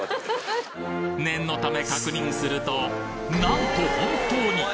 念のため確認するとなんと本当に！